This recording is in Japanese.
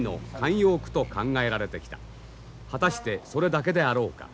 果たしてそれだけであろうか。